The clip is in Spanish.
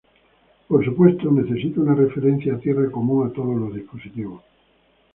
Por supuesto, necesita una referencia a tierra común a todos los dispositivos.